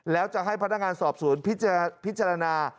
แล้วจะให้พนักงานสอบสวนพิจารณา